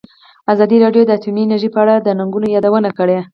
ازادي راډیو د اټومي انرژي په اړه د ننګونو یادونه کړې.